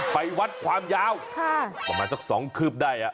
ไปวัดความยาวมาเหมือนสักสองคืบได้